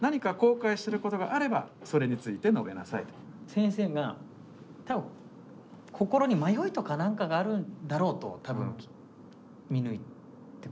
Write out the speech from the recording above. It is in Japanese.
先生が多分心に迷いとか何かがあるんだろうと多分見抜いてくれたのかな。